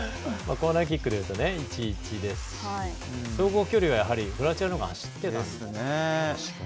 コーナーキックでいうと１、１ですし走行距離はクロアチアのほうが走ってたんですね。